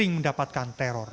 itu mampusing saya merasa terserah